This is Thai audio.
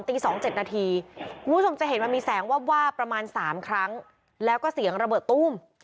ตีสองเจ็บถีมุ่งจะเห็นว่ามีแสงว่าวหวาประมาณสามครั้งแล้วก็เสียงระเบิดตู้ม